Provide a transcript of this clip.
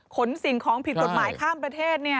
สิ่งของผิดกฎหมายข้ามประเทศ